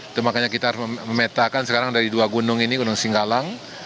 itu makanya kita harus memetakan sekarang dari dua gunung ini gunung singgalang